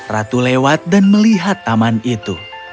ratu lewat dan melihat taman itu